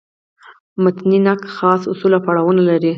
متني نقد خاص اصول او پړاوونه لري.